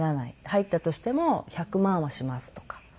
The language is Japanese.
入ったとしても１００万はしますとか。